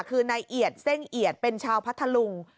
คือนายเอียดเส้งเอียดเป็นชาวพัทธลุง